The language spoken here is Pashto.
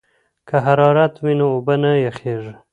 که حرارت وي نو اوبه نه یخیږي.